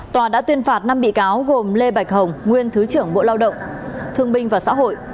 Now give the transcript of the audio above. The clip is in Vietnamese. tòa đã tuyên phạt năm bị cáo gồm lê bạch hồng nguyên thứ trưởng bộ lao động thương binh và xã hội